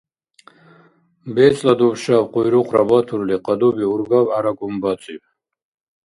БецӀла дубшаб къуйрукъра батурли, кьадуби-ургаб гӀяра кӀунбацӀиб.